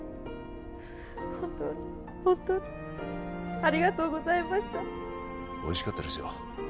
本当に本当にありがとうございましたおいしかったですよ